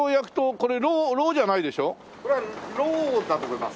これはろうだと思います。